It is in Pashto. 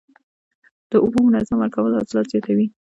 د اوبو منظم ورکول حاصلات زیاتوي.